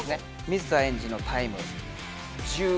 水田エンジのタイム１６秒。